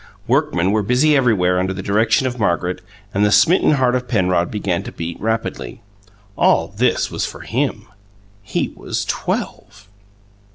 Workmen were busy everywhere under the direction of Margaret, and the smitten heart of Penrod began to beat rapidly. All this was for him; he was Twelve!